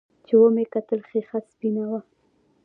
چې ومې کتل ښيښه سپينه وه.